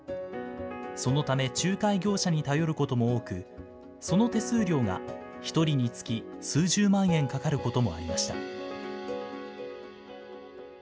そのため、仲介業者に頼ることも多く、その手数料が１人につき数十万円かかることもありました。